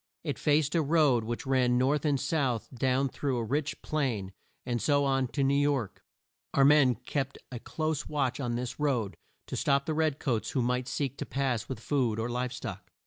It faced a road which ran north and south down through a rich plain, and so on to New York. Our men kept a close watch on this road, to stop the red coats who might seek to pass with food or live stock.